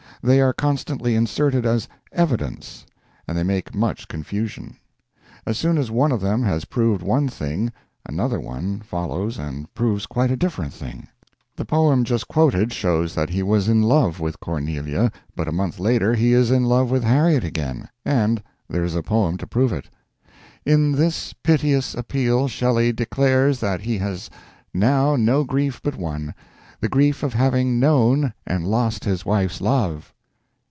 They are constantly inserted as "evidence," and they make much confusion. As soon as one of them has proved one thing, another one follows and proves quite a different thing. The poem just quoted shows that he was in love with Cornelia, but a month later he is in love with Harriet again, and there is a poem to prove it. "In this piteous appeal Shelley declares that he has now no grief but one the grief of having known and lost his wife's love."